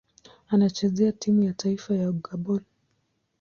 Anachezea timu ya taifa ya Gabon.